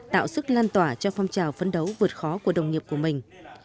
tạo sức lan tỏa cho phong trào phấn đấu vượt khó của đồng nghiệp của mình